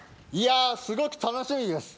すごく楽しみです。